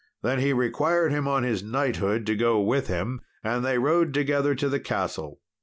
Then he required him on his knighthood to go with him, and they rode together to the castle.